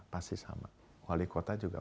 pasti sama wali kota juga